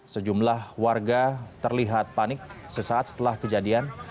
sejumlah warga terlihat panik sesaat setelah kejadian